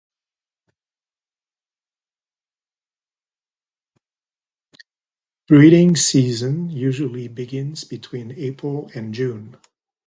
Breeding season usually begins between April and June.